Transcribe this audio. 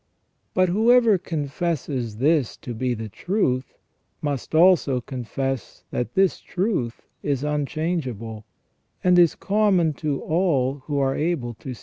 But whoever confesses this to be the truth, must also confess that this truth is unchangeable, and is common to all who are able to see it ;• S.